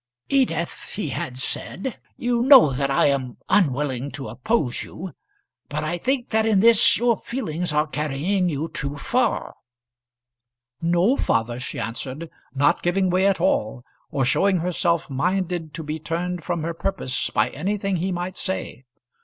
"Edith," he had said, "you know that I am unwilling to oppose you; but I think that in this your feelings are carrying you too far." "No, father," she answered, not giving way at all, or showing herself minded to be turned from her purpose by anything he might say.